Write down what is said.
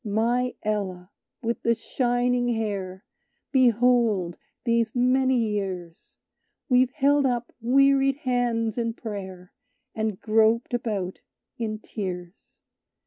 "My Ella with the shining hair, Behold, these many years, We've held up wearied hands in prayer; And groped about in tears."